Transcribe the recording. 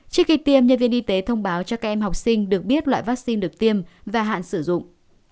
trước khi tiêm nhân viên y tế thông báo cho các em học sinh được biết loại vaccine được tiêm và hạn sử dụng